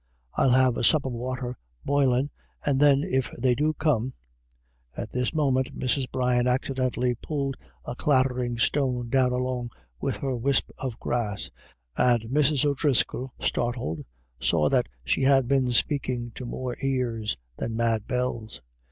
I'll have a sup of water boilin', and then if they do come " At this moment Mrs. Brian accidentally pulled a clattering stone down along with her wisp of grass and Mrs. O'Driscoll, startled, saw that she had been speaking to more ears than Mad Bell's.